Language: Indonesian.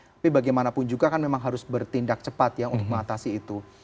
tapi bagaimanapun juga kan memang harus bertindak cepat ya untuk mengatasi itu